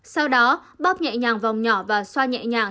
sau đó bóp nhẹ nhàng vòng nhỏ và xoa nhẹ nhàng